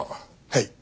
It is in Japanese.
はい。